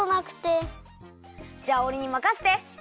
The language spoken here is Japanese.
じゃあおれにまかせて！